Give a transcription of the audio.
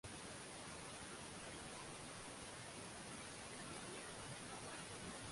vipaji na karama za Roho Mtakatifu hufanya Kanisa liwe hai Ujumbe wa Yesu